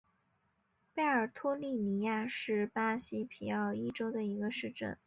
贝尔托利尼亚是巴西皮奥伊州的一个市镇。